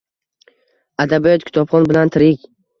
Adabiyot kitobxon bilan tirik.